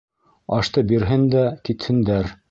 Ашты бирһен дә китһендәр!